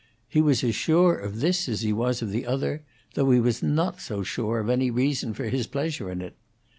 He was as sure of this as he was of the other, though he was not so sure of any reason for his pleasure in it.